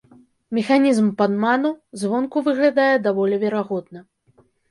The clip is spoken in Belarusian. Механізм падману звонку выглядае даволі верагодна.